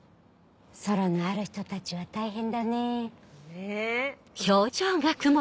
ソロのある人たちは大変だね。ねぇ。